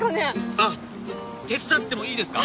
あっ手伝ってもいいですか？